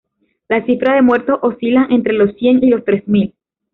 Las cifras de muertos oscilan entre los cien y los tres mil.